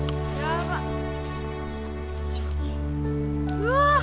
うわ！